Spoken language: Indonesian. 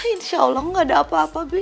insya allah ga ada apa apa bi